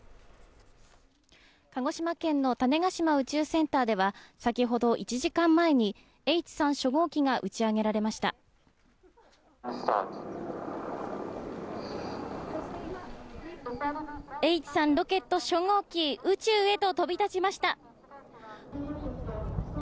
鹿児島県の種子島宇宙センターでは、先ほど１時間前にＨ３初号機が打ち上げられましたＨ３ロケット初号機宇宙へと飛び立ちました。